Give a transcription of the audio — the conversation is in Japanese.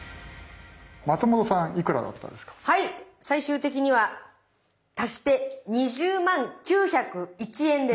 最終的には足して２０万９０１円です。